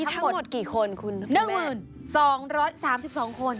มีทั้งหมดกี่คนคุณนักหมื่นสองร้อยสามสิบสองคน